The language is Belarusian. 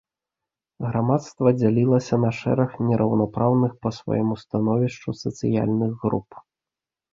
Грамадства дзяліліся на шэраг нераўнапраўных па свайму становішчу сацыяльных груп.